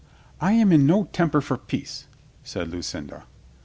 "I am in no temper for peace," said Lucinda.